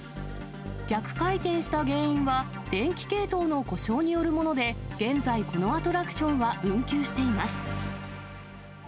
逆回転した原因は電気系統の故障によるもので、現在、このアトラクションは運休しています。